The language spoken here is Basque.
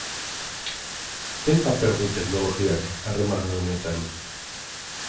Zein paper du teknologiak harreman honetan?